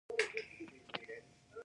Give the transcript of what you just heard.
ایا زه باید کتابتون ته لاړ شم؟